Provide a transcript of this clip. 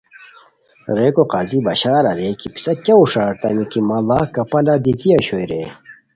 ریکو قاضی بشار اریر کی پِسہ کیہ ہوݰ اریتامی کی ماڑاغ کپالہ دیتی اوشوئے رے؟